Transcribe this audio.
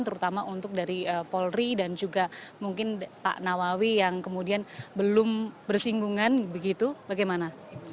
terutama untuk dari polri dan juga mungkin pak nawawi yang kemudian belum bersinggungan begitu bagaimana